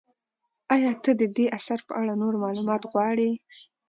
ایا ته د دې اثر په اړه نور معلومات غواړې؟